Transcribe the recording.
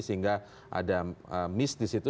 sehingga ada miss di situ